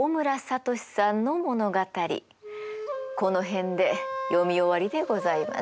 この辺で読み終わりでございます。